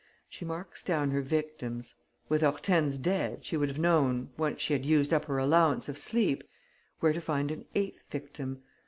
"She marks down her victims.... With Hortense dead, she would have known, once she had used up her allowance of sleep, where to find an eighth victim....